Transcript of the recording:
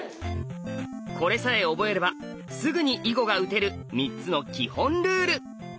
これさえ覚えればすぐに囲碁が打てる３つの基本ルール。